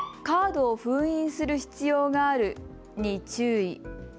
カードを封印する必要があるに注意。